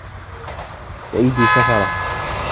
بِأَيْدِي سَفَرَةٍ